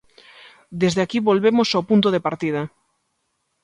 Desde aquí volvemos ao punto de partida.